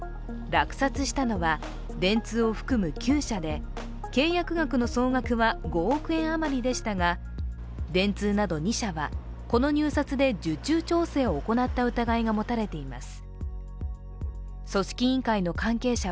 落札したのは電通を含む９社で契約額の総額は５億円余りでしたが電通など２社はこの入札で受注調整を行った疑いが持たれています。